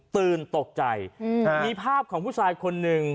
ตื่นตกใจมีภาพของผู้ชายคนหนึ่ง